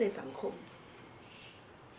แล้วบอกว่าไม่รู้นะ